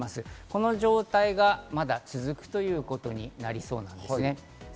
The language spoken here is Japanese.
この状態がまだ続くということになりそうですね。